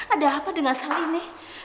ada apa dengan salini